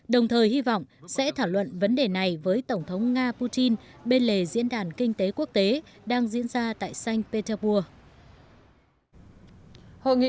đồng thời hy vọng sẽ thảo luận vấn đề này với tổng thống nga putin bên lề diễn đàn kinh tế quốc tế đang diễn ra tại st petersburg